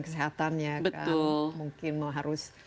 kesehatannya kan mungkin harus